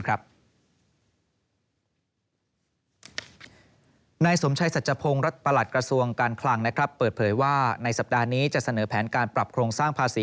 นายสมชัยสัจพงศ์ประหลัดกระทรวงการคลังเปิดเผยว่าในสัปดาห์นี้จะเสนอแผนการปรับโครงสร้างภาษี